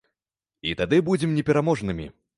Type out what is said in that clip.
І тады будзем непераможнымі.